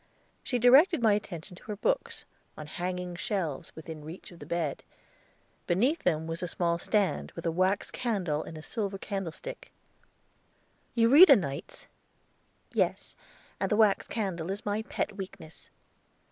She directed my attention to her books, on hanging shelves, within reach of the bed. Beneath them was a small stand, with a wax candle in a silver candlestick. "You read o' nights?" "Yes; and the wax candle is my pet weakness."